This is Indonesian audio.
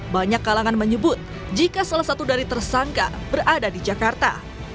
banyak kalangan menyebut jika salah satu dari tersangka berada di jakarta